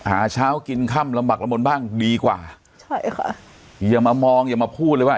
หาเช้ากินค่ำลำบากละมนบ้างดีกว่าใช่ค่ะอย่ามามองอย่ามาพูดเลยว่า